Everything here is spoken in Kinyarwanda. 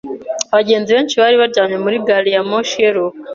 Abagenzi benshi bari baryamye muri gari ya moshi iheruka.